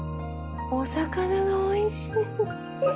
お魚がおいしい！